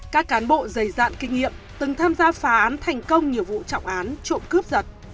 các cán bộ dày dạn kinh nghiệm từng tham gia phá án thành công nhiều vụ trọng án trộm cướp giật